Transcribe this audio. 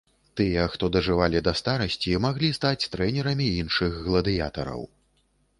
Тыя, хто дажывалі да старасці, маглі стаць трэнерамі іншых гладыятараў.